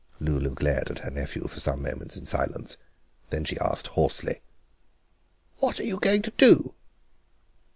Lulu glared at her nephew for some moments in silence. Then she asked hoarsely: "What are you going to do?"